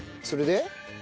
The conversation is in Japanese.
それで？